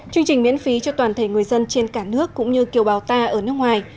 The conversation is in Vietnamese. chương trình miễn phí cho toàn thể người dân trên cả nước cũng như kiều bào ta ở nước ngoài